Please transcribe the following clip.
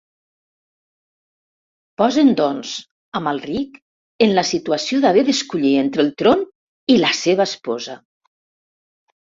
Posen doncs Amalric en la situació d'haver d'escollir entre el tron i la seva esposa.